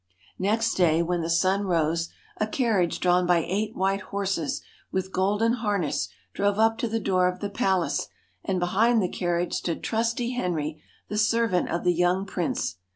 Next day, when the sun rose, a carriage drawn by eight white horses with golden harness drove up to the door of the palace, and behind the carriage stood trusty Henry, the servant of the young prince.